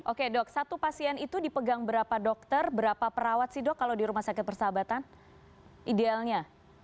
oke dok satu pasien itu dipegang berapa dokter berapa perawat sih dok kalau di rumah sakit persahabatan idealnya